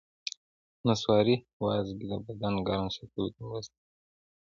نسواري وازګې د بدن ګرم ساتلو کې مرسته کوي.